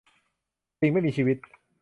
สิ่งไม่มีชีวิต